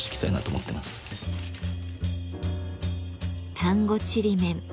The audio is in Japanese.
丹後ちりめん。